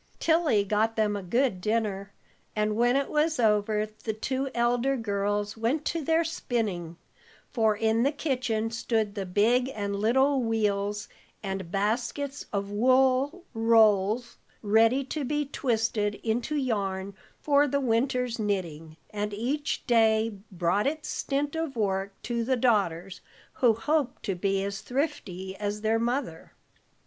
Tilly got them a good dinner, and when it was over the two elder girls went to their spinning, for in the kitchen stood the big and little wheels, and baskets of wool rolls, ready to be twisted into yarn for the winter's knitting, and each day brought its stint of work to the daughters, who hoped to be as thrifty as their mother.